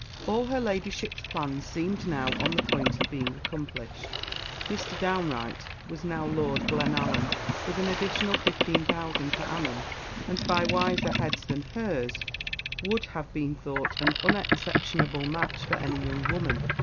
All her Ladyship's plans seemed now on the point of being accomplished. Mr. Downe Wright was now Lord Glenallan, with an additional fifteen thousand per annum, and by wiser heads than hers would have been thought an unexceptionable match for any young woman.